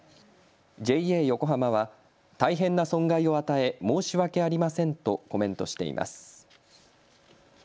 ＪＡ横浜は大変な損害を与え申し訳ありませんとコメントしています。